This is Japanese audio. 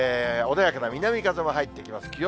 穏やかな南風も入ってきます。